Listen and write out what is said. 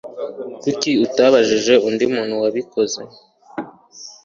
Kuki atabajije undi muntu wabikoze?